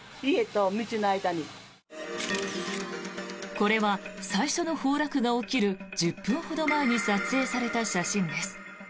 これは最初の崩落が起きる１０分ほど前に撮影された写真です。